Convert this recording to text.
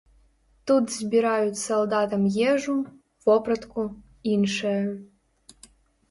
Тут збіраюць салдатам ежу, вопратку, іншае.